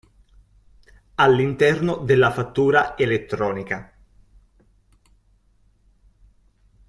All'interno della fattura elettronica.